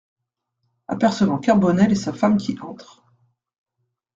Apercevant Carbonel et sa femme qui entrent.